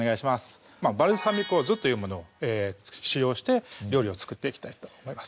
バルサミコ酢というものを使用して料理を作っていきたいと思います